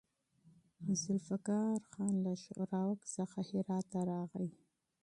ذوالفقار خان له ښوراوک څخه هرات ته راغی.